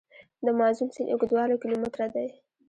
د مازون سیند اوږدوالی کیلومتره دی.